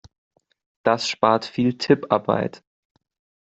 Das spart viel Tipparbeit.